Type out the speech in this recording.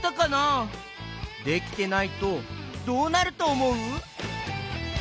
できてないとどうなるとおもう？